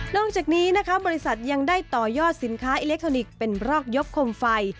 จากนี้นะคะบริษัทยังได้ต่อยอดสินค้าอิเล็กทรอนิกส์เป็นรอกยกคมไฟ